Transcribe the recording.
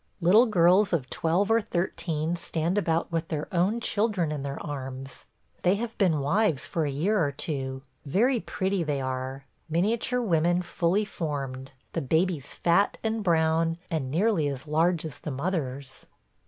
Little girls of twelve or thirteen stand about with their own children in their arms. They have been wives for a year or two. Very pretty they are, miniature women fully formed; the babies fat and brown and nearly as large as the mothers.